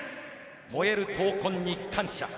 燃える闘魂に感謝。